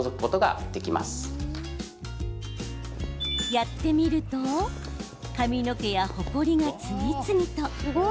やってみると髪の毛やほこりが次々と。